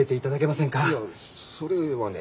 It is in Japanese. いやそれはね。